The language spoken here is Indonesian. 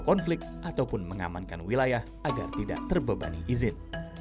konflik ataupun mengamankan wilayah agar tidak terbebani izin